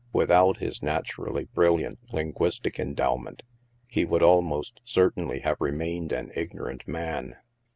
Without his nat urally brilliant linguistic endowment, he would al most certainly have remained an ignorant man.